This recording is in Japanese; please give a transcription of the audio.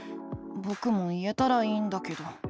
ぼくも言えたらいいんだけど。